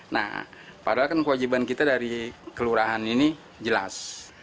nah padahal kan kewajiban kita dari kelurahan ini jelas